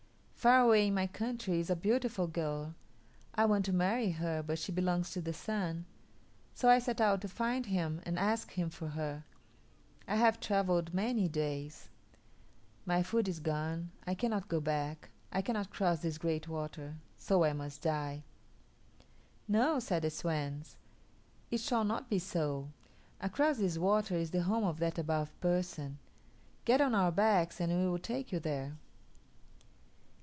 "Far away in my country is a beautiful girl. I want to marry her, but she belongs to the Sun; so I set out to find him and ask him for her. I have travelled many days. My food is gone. I cannot go back; I cannot cross this great water; so I must die." "No," said the swans; "it shall not be so. Across this water is the home of that Above Person. Get on our backs, and we will take you there."